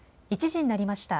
１時になりました。